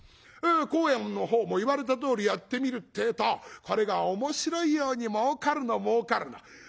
幸右衛門のほうも言われたとおりやってみるってえとこれがおもしろいように儲かるの儲かるの。